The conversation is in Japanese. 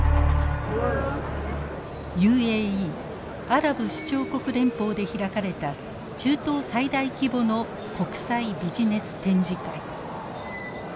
アラブ首長国連邦で開かれた中東最大規模の国際ビジネス展示会。